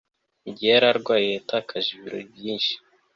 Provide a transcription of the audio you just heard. mugihe yari arwaye, yatakaje ibiro byinshi